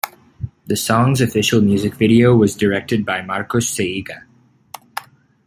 The song's official music video was directed by Marcos Siega.